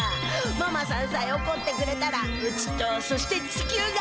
ママさんさえおこってくれたらうちとそして地球が。